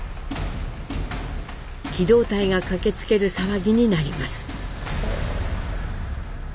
機動隊が駆けつける騒ぎになります。